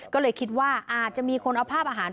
ก็เลยคิดว่าอาจจะมีคนเอาภาพอาหาร